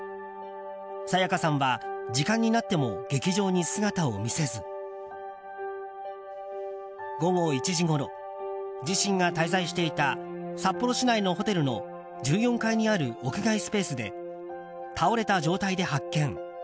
沙也加さんは時間になっても劇場に姿を見せず午後１時ごろ自身が滞在していた札幌市内のホテルの１４階にある屋外スペースで倒れた状態で発見。